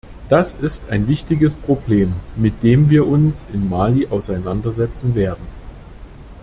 Das ist ein wichtiges Problem, mit dem wir uns in Mali auseinandersetzen werden.